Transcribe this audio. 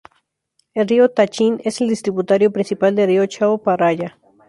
El río Tha Chin es el distributario principal del río Chao Phraya.